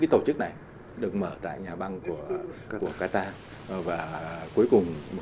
ví dụ như là phong trào hamas của palestine